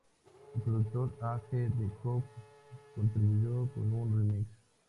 El productor A. G. de Cook contribuyó con un remix.